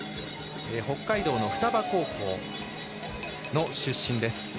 北海道の双葉高校の出身です。